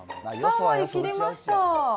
３割切りました。